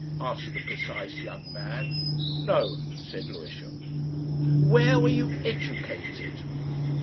asked the precise young man. "No," said Lewisham. "Where were you educated?"